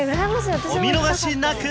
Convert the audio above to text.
お見逃しなく！